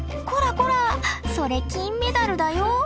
それ金メダルだよ！